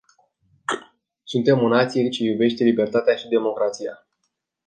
Suntem o națiune ce iubește libertatea și democrația.